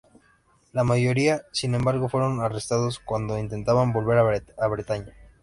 La mayoría, sin embargo, fueron arrestados cuando intentaban volver a Bretaña.